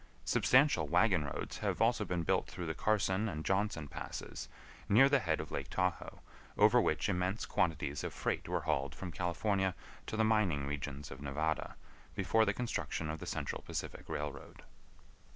Substantial wagon roads have also been built through the Carson and Johnson passes, near the head of Lake Tahoe, over which immense quantities of freight were hauled from California to the mining regions of Nevada, before the construction of the Central Pacific Railroad.